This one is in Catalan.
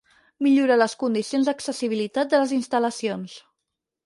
Millorar les condicions d'accessibilitat de les instal·lacions.